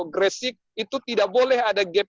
gresik itu tidak boleh ada gap